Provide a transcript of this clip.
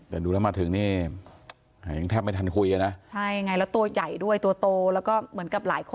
แต่ดูแล้วมาถึงนี่ยังแทบไม่ทันคุยอ่ะนะใช่ไงแล้วตัวใหญ่ด้วยตัวโตแล้วก็เหมือนกับหลายคน